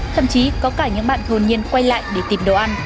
thậm chí có cả những bạn hồn nhiên quay lại để tìm đồ ăn